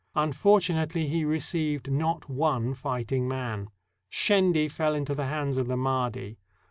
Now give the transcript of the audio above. Unfortunately, he received not one fighting man. Shendy fell into the hands of the Mahdi.